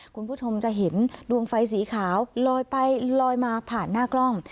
คุณผู้ชมจะเห็นดวงไฟสีขาวลอยไปลอยมาผ่านหน้ากล้อง